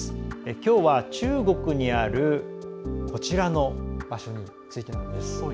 きょうは中国にあるこちらの場所についてなんです。